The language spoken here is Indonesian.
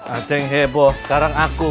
ah ceng heboh sekarang aku